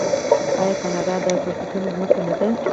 آیا کاناډا د فرصتونو ځمکه نه ده؟